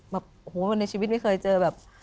แบบโหในชีวิตไม่เคยเจอแบบ